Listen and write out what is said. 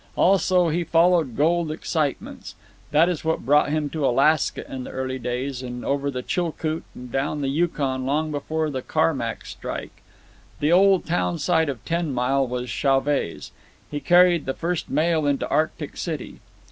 Also, he followed gold excitements. That is what brought him to Alaska in the early days, and over the Chilcoot and down the Yukon long before the Carmack strike. The old town site of Ten Mile was Chauvet's. He carried the first mail into Arctic City.